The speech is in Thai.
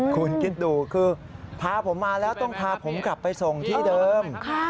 คุณคิดดูคือพาผมมาแล้วต้องพาผมกลับไปส่งที่เดิม